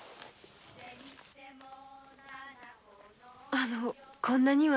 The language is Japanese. あのこんなには。